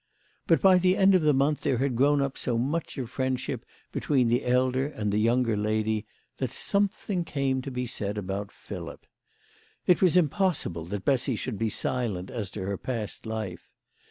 But by the end of the month there had grown up so much of friendship between the elder and the younger lady, that something came to be said about Philip. It was impossible that Bessy should be silent as to her past life.